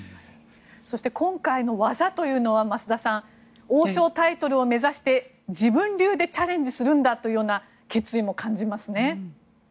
そして今回の「技」というのは増田さん王将タイトルを目指して自分流でチャレンジするんだという決意も感じますね。